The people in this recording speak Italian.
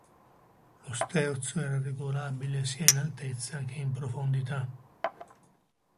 Lo sterzo era regolabile sia in altezza che in profondità.